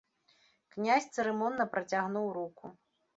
Князь цырымонна працягнуў руку.